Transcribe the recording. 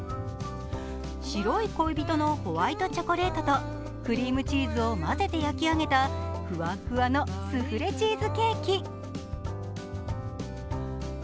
白い恋人のホワイトチョコレートとクリームチーズを混ぜて焼き上げたふわっふわのスフレチーズケーキ。